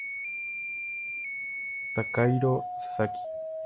Takahiro Sasaki